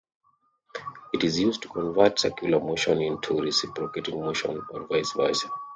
It is used to convert circular motion into reciprocating motion, or vice versa.